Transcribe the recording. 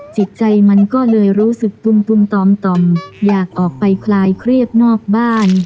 จิตใจมันก็เลยรู้สึกปุ่มต่อมต่อมอยากออกไปคลายเครียดนอกบ้าน